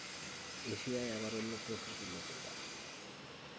এশিয়ায় আবার অন্য প্রকৃতির লোকের বাস।